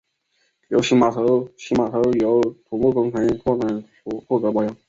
此码头由土木工程拓展署负责保养。